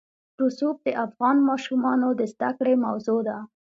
رسوب د افغان ماشومانو د زده کړې موضوع ده.